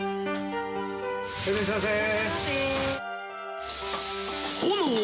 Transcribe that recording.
いらっしゃいませー。